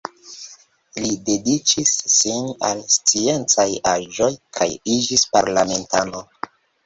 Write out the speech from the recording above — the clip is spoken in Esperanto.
Li dediĉis sin al sciencaj aĵoj kaj iĝis parlamentano.